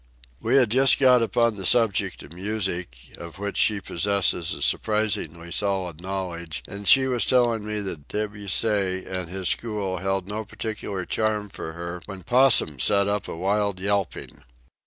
We had just got upon the subject of music, of which she possesses a surprisingly solid knowledge, and she was telling me that Debussy and his school held no particular charm for her, when Possum set up a wild yelping.